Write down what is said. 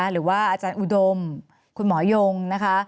หรือว่าอาจารย์อุดมคุณหมอยงนะคะ